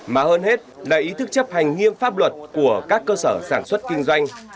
mà hơn hết là ý thức chấp hành nghiêm pháp luật của các cơ sở sản xuất kinh doanh